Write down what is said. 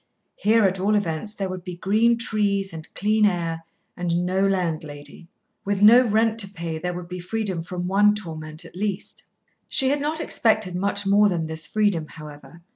Here, at all events, there would be green trees and clear air, and no landlady. With no rent to pay, there would be freedom from one torment at least. She had not expected much more than this freedom, however.